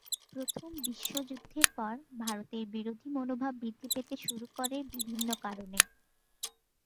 প্রথম বিশ্বযুদ্ধের পর, ভারতের বিরোধী মনোভাব বৃদ্ধি পেতে শুরু করে বিভিন্ন কারণে।